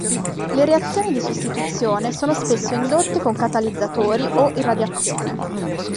Le reazioni di sostituzione sono spesso indotte con catalizzatori o irradiazione.